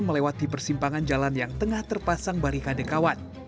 melewati persimpangan jalan yang tengah terpasang barikade kawan